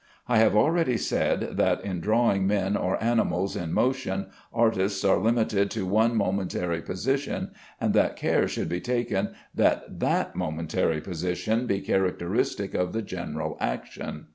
I have already said that in drawing men or animals in motion artists are limited to one momentary position, and that care should be taken that that momentary position be characteristic of the general action.